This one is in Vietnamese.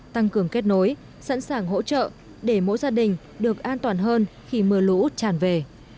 tăng cường kết nối sẵn sàng hỗ trợ để mỗi gia đình được an toàn hơn khi mưa lũ tràn về